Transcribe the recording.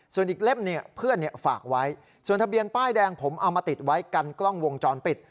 ส่วนอีกเล่มเนี่ยเพื่อนฝากไว้ส่วนทะเบียนป้ายแดงผมเอามาติดไว้กันกล้องวงจรปิด